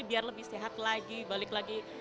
biar lebih sehat lagi balik lagi